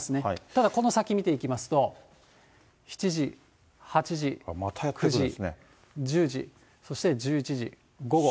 ただこの先見ていきますと、７時、８時、９時、１０時、そして１１時、午後。